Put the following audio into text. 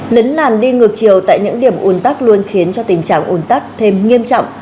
lấn làn đi ngược chiều tại những điểm ủn tắc luôn khiến cho tình trạng ồn tắc thêm nghiêm trọng